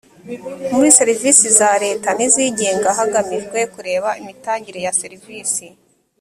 muri serivisi za leta n izigenga hagamijwe kureba imitangire ya serivisi